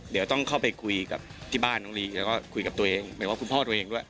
เดี๋ยวต้องเข้าไปคุยกับที่บ้านน้องลีแล้วก็คุยกับตัวเองหมายว่าคุณพ่อตัวเองด้วย